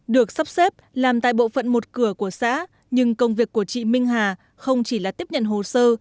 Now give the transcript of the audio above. được sắp xếp làm tại bộ phận một cửa của xã nhưng công việc của chị minh hà không chỉ là tiếp nhận hồ sơ